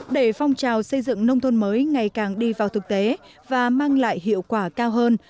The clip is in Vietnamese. để phong trào xây dựng nông thôn mới ngày càng đi vào thực tế và mang lại hiệu quả cao hơn